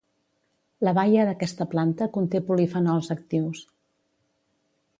La baia d'aquesta planta conté polifenols actius.